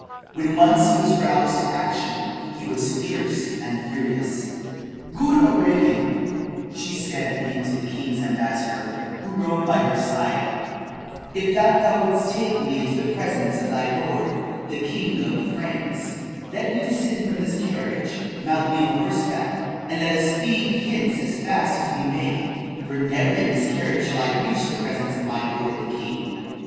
When once he was roused to action, he was fierce and furious. "Good Aurelian," she said at length to the king's ambassador, who rode by her side: "if that thou wouldst take me into the presence of thy lord, the king of the Franks, let me descend from this carriage, mount me on horseback, and let us speed hence as fast as we may, for never in this carriage shall I reach the presence of my lord, the king."